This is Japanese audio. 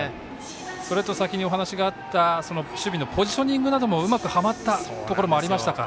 それと、先にお話があった守備のポジショニングなどもうまく、はまったところもありましたか。